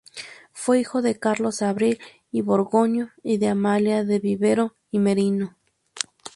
Fue hijo de Carlos Abril y Borgoño y de Amalia de Vivero y Merino.